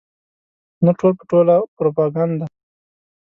نه ټول په ټوله پروپاګنډه ده.